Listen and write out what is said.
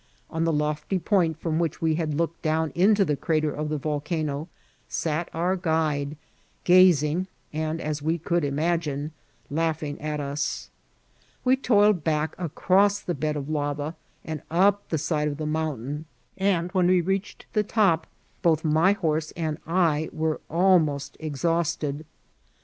On the lofty point from which we' had looked down into the crater of the volcano sat our guide, gazing, and, as we could imagine, laughing at us. We toiled back across the bed of lava and up the side of the mountain, and when we reached the top both my horse and I were almost exhausted.